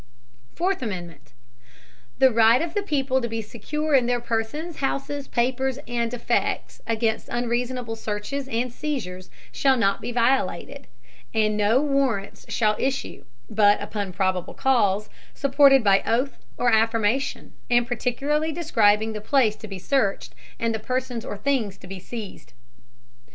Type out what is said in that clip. IV. The right of the people to be secure in their persons, houses, papers, and effects, against unreasonable searches and seizures, shall not be violated, and no Warrants shall issue, but upon probable cause, supported by Oath or affirmation, and particularly describing the place to be searched, and the persons or things to be seized.